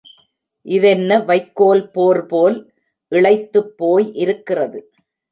இதென்ன வைக்கோல் போர் போல் இளைத்துப்போய் இருக்கிறது!